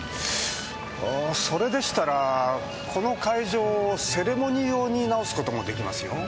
それでしたらこの会場をセレモニー用に直す事も出来ますよ。